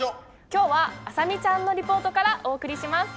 今日はあさみちゃんのリポートからお送りします。